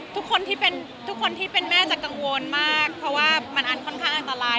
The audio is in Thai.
ทุกคนที่เป็นแม่จะกังวลมากเพราะว่ามันค่อนข้างอันตราย